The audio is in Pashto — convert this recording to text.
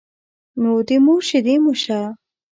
نو د مور شيدې مو شه.